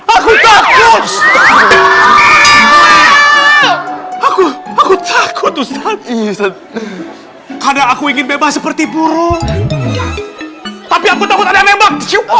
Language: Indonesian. aku takut aku takut kadang aku ingin bebas seperti burung tapi aku takut ada lembak